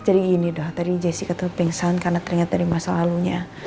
jadi gini dong tadi jessica tuh pingsan karena teringat dari masa lalunya